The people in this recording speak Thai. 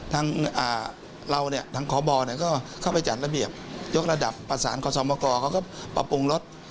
ทางเราเนี่ยทางคบก็เข้าไปจัดระเบียบยกระดับประสานขอสมกรเขาก็ปรับปรุงรถ